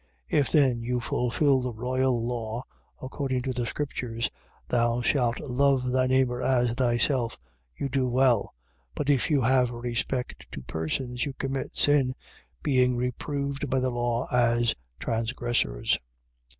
2:8. If then you fulfil the royal law, according to the scriptures: Thou shalt love thy neighbour as thyself; you do well. 2:9. But if you have respect to persons, you commit sin, being reproved by the law as transgressors.